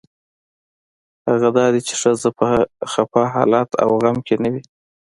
هغه دا دی چې ښځه په خپه حالت او غم کې نه وي.